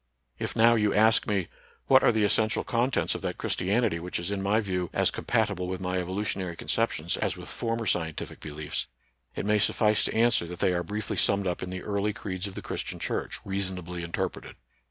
If now you ask me. What are the essential contents of that Christianity which is in my view as compatible with my evolutionary con ceptions as with former scientific beliefs, it may suffice to answer that they are briefly summed up in the early creeds of the Christian Church, reasonably interpreted.